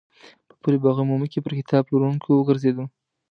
په پل باغ عمومي کې پر کتاب پلورونکو وګرځېدم.